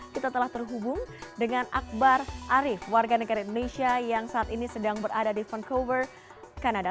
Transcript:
kita telah terhubung dengan akbar arief warga negara indonesia yang saat ini sedang berada di vancouver kanada